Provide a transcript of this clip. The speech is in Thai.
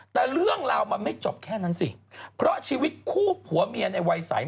แต่เรื่องราวมันไม่จบแค่นั้นสิเพราะชีวิตคู่ผัวเมียในวัยใส